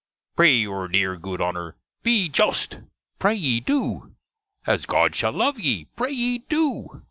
Pray youre dere, good Honner, be just! Prayey do! As God shall love ye! prayey do!